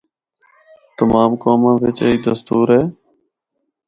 تمام قوماں وچ ایہہ دستور اے۔